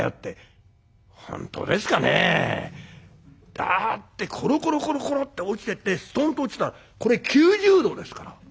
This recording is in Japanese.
だってコロコロコロコロって落ちてってストンと落ちたらこれ９０度ですから。